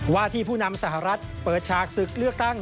ว่าที่ผู้นำสหรัฐเปิดฉากศึกเลือกตั้ง